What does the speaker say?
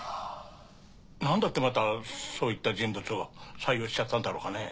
なんだってまたそういった人物を採用しちゃったんだろうかね。